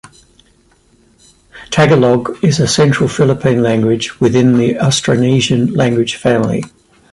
Tagalog is a Central Philippine language within the Austronesian language family.